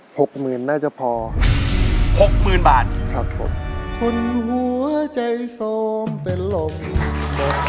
หกหมื่นน่าจะพอครับครับผมคุณหัวใจโทรมเป็นลมหมดแล้ว